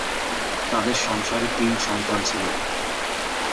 তাদের সংসারে তিন সন্তান ছিল।